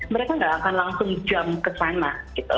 mereka nggak akan langsung jump ke sana gitu